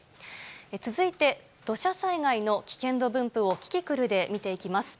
続いて土砂災害の危険度分布を、キキクルで見ていきます。